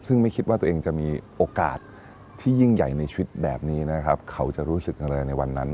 ซึ่งไม่คิดว่าตัวเองจะมีโอกาสที่ยิ่งใหญ่ในชีวิตแบบนี้นะครับเขาจะรู้สึกอะไรในวันนั้น